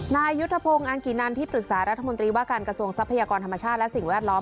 นายยุทธพงศ์อังกินันที่ปรึกษารัฐมนตรีว่าการกระทรวงทรัพยากรธรรมชาติและสิ่งแวดล้อม